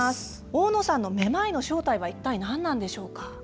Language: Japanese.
大野さんのめまいの正体は一体何なんでしょうか。